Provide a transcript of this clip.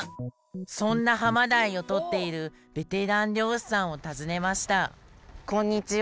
そんなハマダイを取っているベテラン漁師さんを訪ねましたこんにちは。